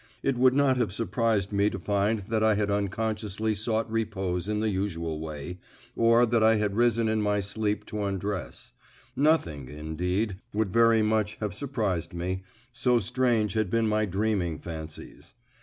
It would not have surprised me to find that I had unconsciously sought repose in the usual way, or that I had risen in my sleep to undress; nothing, indeed, would very much have surprised me, so strange had been my dreaming fancies.